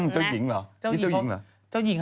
เจ้าหญิงเจ้าหญิงเหรอ